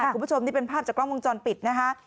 คุณผู้ชมนี่เป็นภาพจากกล้องวงจรปิดนะคะ